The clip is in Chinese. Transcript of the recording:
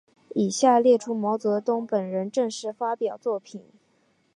以下列出毛泽东本人正式发表作品。